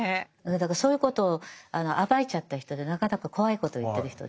だからそういうことを暴いちゃった人でなかなか怖いことを言ってる人です。